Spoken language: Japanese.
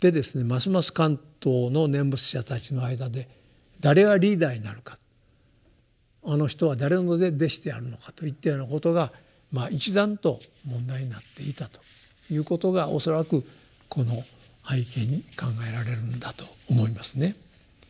ますます関東の念仏者たちの間で誰がリーダーになるかあの人は誰の弟子であるのかといったようなことが一段と問題になっていたということが恐らくこの背景に考えられるんだと思いますね。